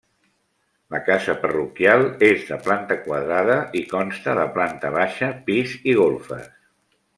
La casa parroquial és de planta quadrada i consta de planta baixa, pis i golfes.